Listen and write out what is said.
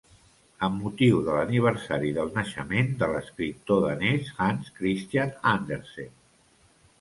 Amb motiu de l'aniversari del naixement de l'escriptor danès Hans Christian Andersen.